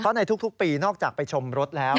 เพราะในทุกปีนอกจากไปชมรถแล้ว